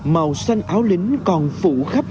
màu xanh áo lính còn phụ khắp